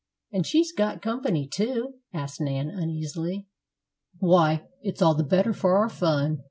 and she's got company, too," asked Nan, uneasily. "Why, it's all the better for our fun.